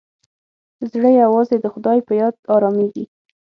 زړه یوازې د خدای په یاد ارامېږي.